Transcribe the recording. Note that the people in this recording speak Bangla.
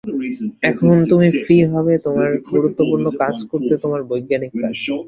এখন তুমি ফ্রি হবে তোমার গুরুত্বপূর্ণ কাজ করতে, তোমার বৈজ্ঞানিক কাজ।